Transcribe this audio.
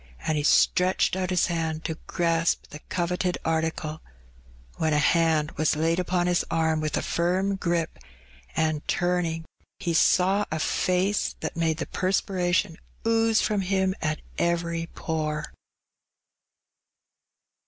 '* And he stretched out his hand to grasp the coveted article, when a hand was laid upon his arm with a firm grip, and, turning, he saw a face that made the perspiration ooze &om him at every pore.